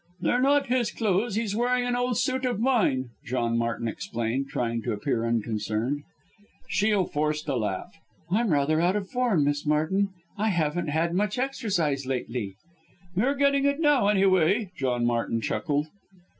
"They're not his clothes he's wearing an old suit of mine," John Martin explained, trying to appear unconcerned. Shiel forced a laugh. "I'm rather out of form, Miss Martin, I haven't had much exercise lately." "You're getting it now anyway," John Martin chuckled.